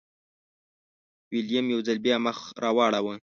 ویلیم یو ځل بیا مخ راواړوه.